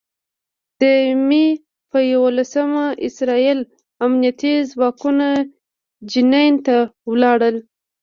د مې په یوولسمه اسراييلي امنيتي ځواکونه جنین ته لاړل.